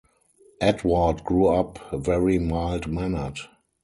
Edward grew up very mild-mannered.